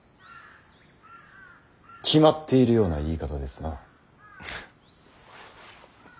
決まっているような言い方ですな。